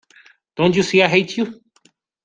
Don't you see I hate you.